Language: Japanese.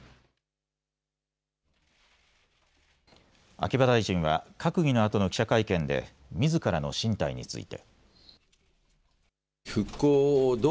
秋葉大臣は閣議のあとの記者会見でみずからの進退について。